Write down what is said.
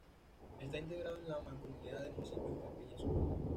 Está integrado en la mancomunidad de Municipios "Campiña Sur".